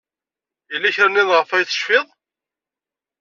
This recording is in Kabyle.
Yella kra niḍen ayɣef tecfid?